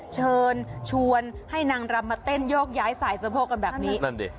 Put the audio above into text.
เชิญชวนให้นางรำมาเต้นโยกย้ายสายสะโพกกันแบบนี้นั่นดิ